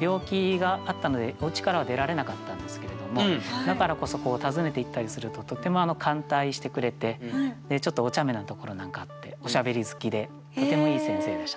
病気があったのでおうちからは出られなかったんですけれどもだからこそ訪ねていったりするととっても歓待してくれてちょっとおちゃめなところなんかあっておしゃべり好きでとてもいい先生でしたね。